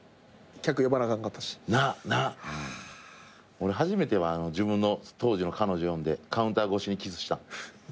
俺初めて自分の当時の彼女呼んでカウンター越しにキスした。